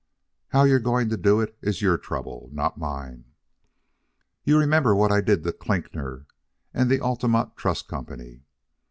How you're going to do it is your trouble, not mine. You remember what I did to Klinkner and the Altamont Trust Company?